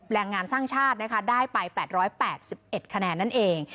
แรงงานสร้างชาตินะคะได้ไป๘๘๑คะแนนนั่นเอง